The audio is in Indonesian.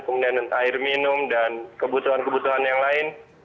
kemudian air minum dan kebutuhan kebutuhan yang lain